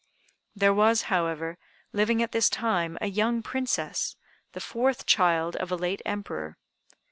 There was, however, living at this time a young Princess, the fourth child of a late Emperor.